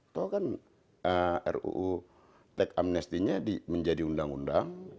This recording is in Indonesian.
itu kan ruu teks amnestinya menjadi undang undang